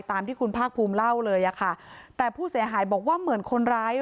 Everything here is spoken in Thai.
ตามที่คุณภาคภูมิเล่าเลยอะค่ะแต่ผู้เสียหายบอกว่าเหมือนคนร้าย